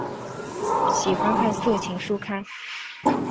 喜欢看色情书刊。